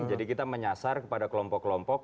jadi kita menyasar kepada kelompok kelompok